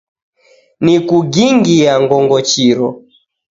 Nikuging'ia ngongochiro!